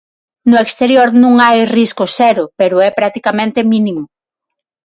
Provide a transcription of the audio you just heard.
No exterior non hai risco cero, pero é practicamente mínimo.